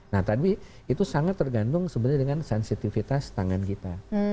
nah tapi itu sangat tergantung sebenarnya dengan sensitivitas tangan kita